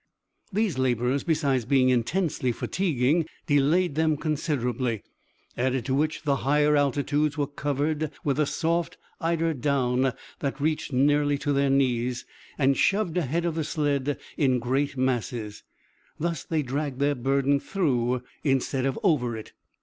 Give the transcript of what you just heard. These labors, besides being intensely fatiguing, delayed them considerably, added to which the higher altitudes were covered with a soft eider down that reached nearly to their knees and shoved ahead of the sled in great masses. Thus they dragged their burden through instead of over it.